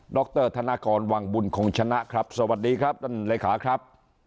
รธนกรวังบุญคงชนะครับสวัสดีครับท่านเลขาครับ